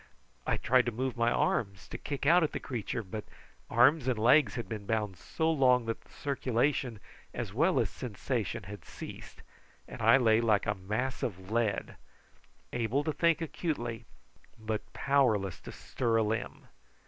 I tried to move my arms; to kick out at the creature; but arms and legs had been bound so long that the circulation as well as sensation had ceased, and I lay like a mass of lead, able to think acutely, but powerless to stir a limb.